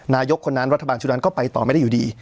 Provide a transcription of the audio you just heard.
นายกคนนั้นรัฐบาลชุดนั้นก็ไปต่อไม่ได้อยู่ดี